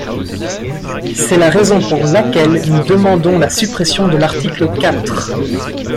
C’est la raison pour laquelle nous demandons la suppression de l’article quatre.